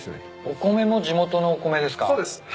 お米も地元のお米ですか？